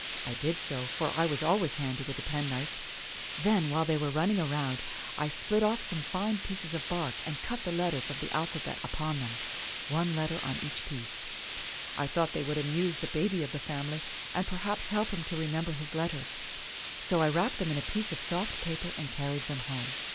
I did so, for I was always handy with a penknife. Then, while they were running around, I split off some fine pieces of bark and cut the letters of the alphabet upon them — one letter on each piece. I thought they would amuse the baby of the family, and perhaps help him to remember his letters. So I wrapped them in a piece of soft paper and carried them home.